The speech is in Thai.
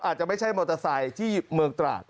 อาจจะไม่ใช่มอเตอร์ไซค์ที่เมืองตราด